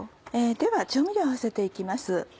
では調味料合わせていきます。